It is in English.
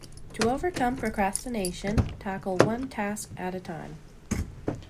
To overcome procrastination, tackle one task at a time.